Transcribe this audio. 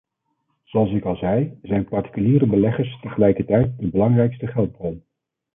Zoals ik al zei, zijn particuliere beleggers tegelijkertijd de belangrijkste geldbron.